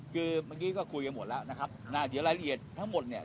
คือเมื่อกี้ก็คุยกันหมดแล้วนะครับนะเดี๋ยวรายละเอียดทั้งหมดเนี่ย